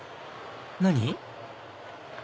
何？